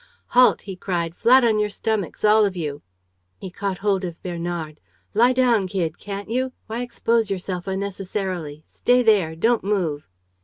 "Halt!" he cried. "Flat on your stomachs, all of you!" He caught hold of Bernard: "Lie down, kid, can't you? Why expose yourself unnecessarily? ... Stay there. Don't move."